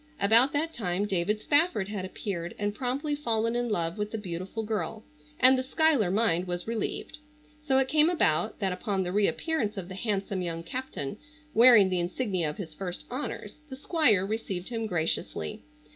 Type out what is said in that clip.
About that time David Spafford had appeared and promptly fallen in love with the beautiful girl, and the Schuyler mind was relieved. So it came about that, upon the reappearance of the handsome young captain wearing the insignia of his first honors, the Squire received him graciously.